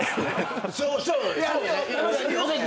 そうそうね。